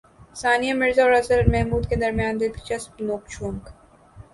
ثانیہ مرزا اور اظہر محمود کے درمیان دلچسپ نوک جھونک